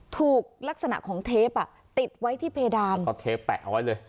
ถูกลักษณะของเทปอ่ะติดไว้ที่เพดานเอาเทปแปะเอาไว้เลย